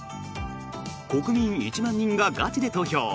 「国民１万人がガチで投票！